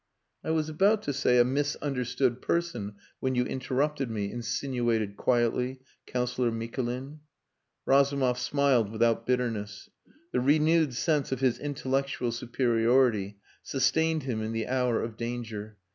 "I was about to say a 'misunderstood person,' when you interrupted me," insinuated quietly Councillor Mikulin. Razumov smiled without bitterness. The renewed sense of his intellectual superiority sustained him in the hour of danger.